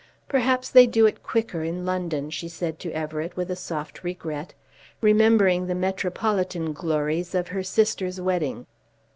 "Perhaps they do it quicker in London," she said to Everett with a soft regret, remembering the metropolitan glories of her sister's wedding.